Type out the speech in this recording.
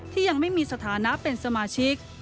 ยังไม่มีสถานะเป็นสมาชิก